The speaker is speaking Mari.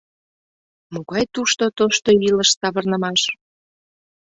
— Могай тушто тошто илыш савырнымаш!